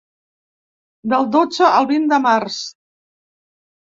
Del dotze al vint de març.